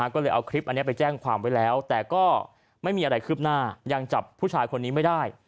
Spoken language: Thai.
ก็เลยเอาคลิปอันนี้ไปแจ้งความไว้แล้วแต่ก็ไม่มีอะไรคืบหน้ายังจับผู้ชายคนนี้ไม่ได้